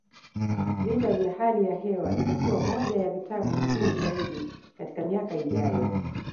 Vita vya hali ya hewa itakuwa moja ya vitabu muhimu zaidi katika miaka ijayo